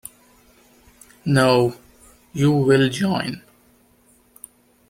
No, you will join.